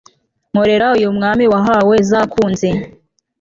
nkorera uyu mwami wahawe zakunze